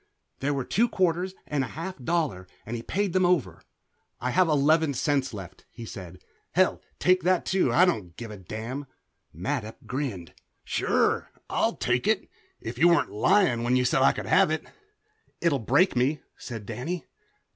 There were two quarters and a half dollar, and he paid them over. "I have eleven cents left," he said. "Hell, take that too. I don't give a damn." Mattup grinned. "Sure I'll take it if you weren't lying when you said I could have it." "It'll break me," said Danny.